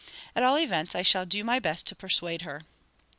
At all events I shall do my best to persuade her."